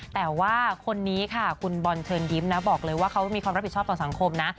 แต่ว่าคนนี้ค่ะคุณบอลเชิญยิ้มนะบอกเลยว่าเขามีความรับผิดชอบต่อสังคมนะ